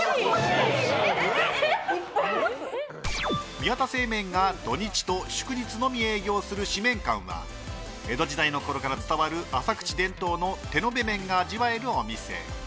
宮田製麺が土日と祝日のみ営業する試麺館は江戸時代のころから伝わる浅口伝統の手延べ麺が味わえるお店。